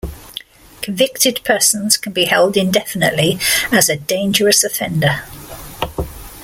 Convicted persons can be held indefinitely as a "dangerous offender".